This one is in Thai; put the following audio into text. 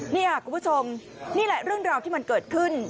นี่ค่ะคุณผู้ชมนี่แหละเรื่องราวที่มันเกิดขึ้น